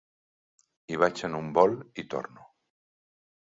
Hi vaig en un vol i torno.